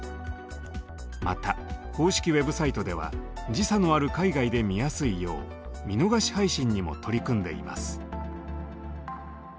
また公式ウェブサイトでは時差のある海外で見やすいよう見逃し配信にも取り組んでいます。